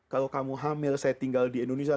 kalau kamu hamil saya tinggal di indonesia